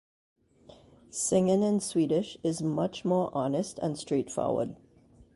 Singing in Swedish is much more honest and straightforward.